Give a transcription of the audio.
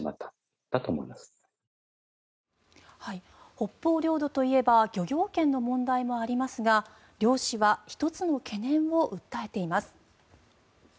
北方領土といえば漁業権の問題もありますが漁師は１つの懸念を訴えています。